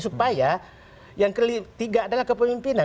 supaya yang ketiga adalah kepemimpinan